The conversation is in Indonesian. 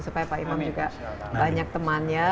supaya pak imam juga banyak temannya